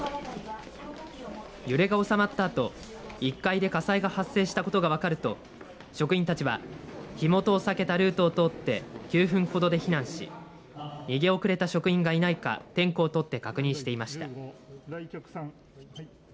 揺れが収まったあと１階で火災が発生したことが分かると職員たちは火元を避けたルートを通って９分ほどで避難し逃げ遅れた職員がいないか点呼を取って確認していました。